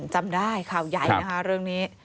จำได้ข่าวใหญ่นะคะเรื่องนี้